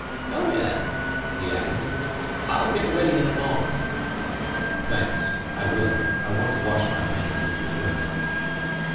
"Come in," he added. "I'll get ready in a moment." "Thanks. I will. I want to wash my hands in your room."